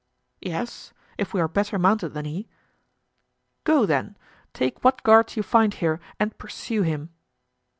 "Yes, if we are better mounted than he." "Go then, take what guards you find here, and pursue him."